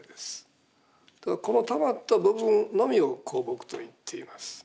このたまった部分のみを香木といっています。